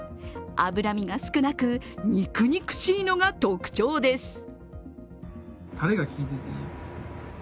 脂身が少なく、肉々しいのが特徴です。